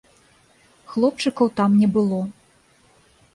Хлопчыкаў там не было.